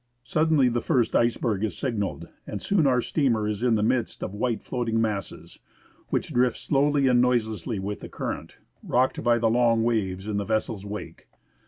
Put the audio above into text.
Suddenly the first iceberg is sig nalled, and soon our steamer is in the midst of white floating masses, which drift slowly and noiselessly with the current, rocked by the long waves in the vessel's wake.